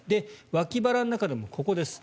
脇腹の中でもここです。